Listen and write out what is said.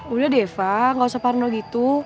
udah dieva gak usah parno gitu